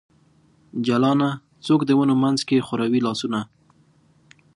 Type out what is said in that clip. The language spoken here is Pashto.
جلانه ! څوک د ونو منځ کې خوروي لاسونه ؟